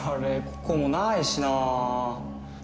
ここもないしなあ